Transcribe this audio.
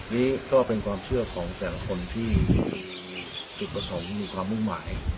นี่ก็เป็นความเชื่อของแต่ละคนที่มีจุดประสงค์มีความมุ่งหมาย